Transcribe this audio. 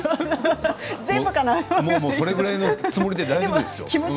それぐらいのつもりで大丈夫ですよ。